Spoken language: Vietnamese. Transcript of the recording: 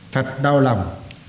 thật đau lòng